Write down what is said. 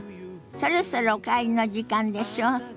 そろそろお帰りの時間でしょ？